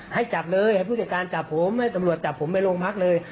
ให้จับเลยให้ผู้จัดการจับผมให้ตำรวจจับผมไปโรงพักเลย